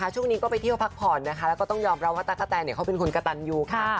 ช่วงนี้ก็ไปเที่ยวพักผ่อนนะคะแล้วก็ต้องยอมรับว่าตั๊กกะแตนเขาเป็นคนกระตันยูค่ะ